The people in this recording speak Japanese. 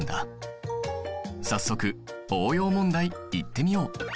早速応用問題いってみよう！